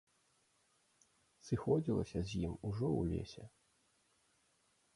Сыходзілася з ім ужо ў лесе.